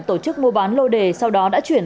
tổ chức mua bán lô đề sau đó đã chuyển